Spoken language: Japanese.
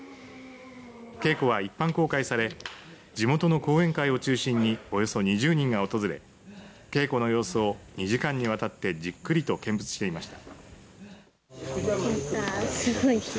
稽古は一般公開され地元の後援会を中心におよそ２０人が訪れ稽古の様子を２時間にわたってじっくりと見物していました。